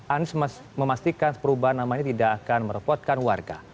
anies memastikan perubahan nama ini tidak akan merepotkan warga